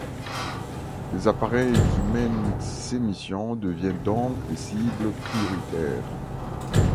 Les appareils qui mènent ces missions deviennent donc des cibles prioritaires.